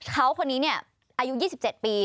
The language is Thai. เขาคนนี้อายุ๒๗ปี